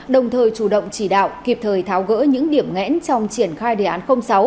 đồng thời chủ động chỉ đạo kịp thời tháo gỡ những điểm ngẽn trong triển khai đề án sáu